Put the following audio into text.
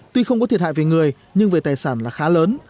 tuy không có thiệt hại về người nhưng về tài sản là khá lớn